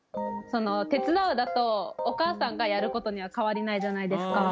「手伝う」だとお母さんがやることには変わりないじゃないですか。